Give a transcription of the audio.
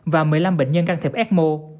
và một mươi năm bệnh nhân can thiệp ecmo